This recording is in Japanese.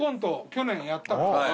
去年やったろ。